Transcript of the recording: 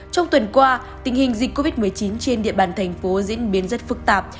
trong tuần qua tình hình dịch covid một mươi chín trên địa bàn thành phố diễn biến rất phức tạp